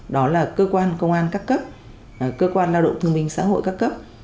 đó là cơ quan công an các cấp cơ quan lao động thương minh xã hội các cấp